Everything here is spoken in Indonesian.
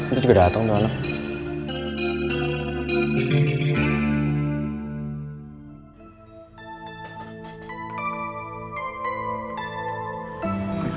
itu juga dateng tuh anak